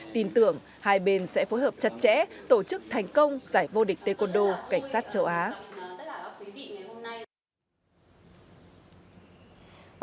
tin tưởng hai bên sẽ phối hợp chặt chẽ tổ chức thành công giải vô địch taekwondo cảnh sát châu á